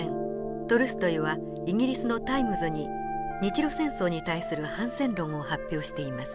トルストイはイギリスの「タイムズ」に日露戦争に対する反戦論を発表しています。